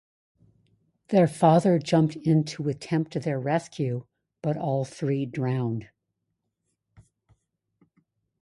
Their father jumped in to attempt their rescue, but all three drowned.